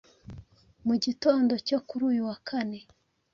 Mu gitondo cyo kuri uyu wa Kane,